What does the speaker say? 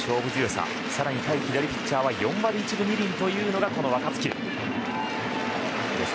さらに対左ピッチャーは４割２分１厘いうのがこの若月です。